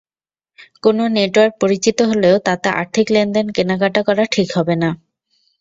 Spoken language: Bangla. কোনো নেটওয়ার্ক পরিচিত হলেও তাতে আর্থিক লেনদেন, কেনাকাটা করা ঠিক হবে না।